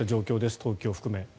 東京を含め。